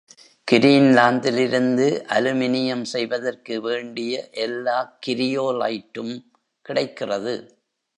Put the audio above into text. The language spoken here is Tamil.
கிரீன்லாந்திலிருந்து அலுமினியம் செய் வதற்கு வேண்டிய எல்லாக் கிரியோலைட்டும் கிடைக்கிறது.